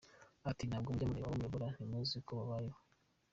Ati “ Ntabwo mujya kureba abo muyobora ntimuzi uko babayeho?